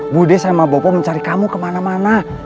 bu de sama bopo mencari kamu kemana mana